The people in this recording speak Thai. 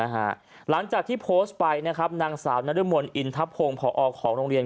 หลังจากที่โพสต์ไปนะครับนางสาวนรมนอินทะพงศ์พอของโรงเรียน